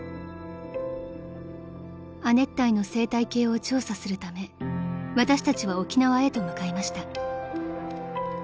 ［亜熱帯の生態系を調査するため私たちは沖縄へと向かいました］